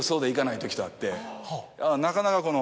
なかなかこの。